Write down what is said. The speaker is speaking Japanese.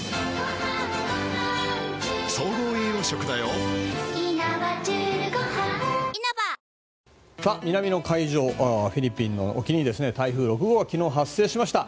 そして、もう１つ気になるのが南の海上フィリピンの沖に台風６号が昨日発生しました。